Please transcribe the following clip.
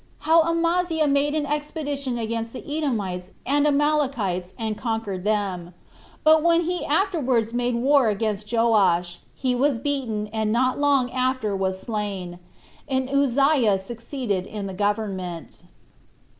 How Amaziah Made An Expedition Against The Edomites And Amalekites And Conquered Them; But When He Afterwards Made War Against Joash, He Was Beaten And Not Long After Was Slain, And Uzziah Succeeded In The Government.